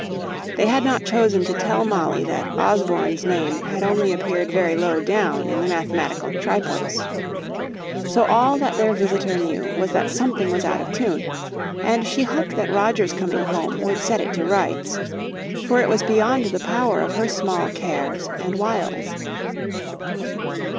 They had not chosen to tell Molly that Osborne's name had only appeared very low down in the mathematical tripos. So all that their visitor knew was that something was out of tune, and she hoped that Roger's coming home would set it to rights, for it was beyond the power of her small cares and wiles.